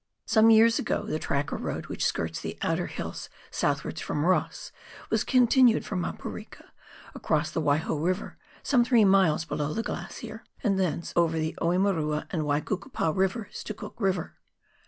Some years ago the track or road which skirts the outer hills south wards from Ross, was continued from Maporika, across the Waiho River, some three miles below the glacier, and thence over the Oemerua and Waikukupa Rivers to Cook River.